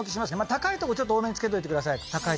高いところちょっと多めにつけておいてください。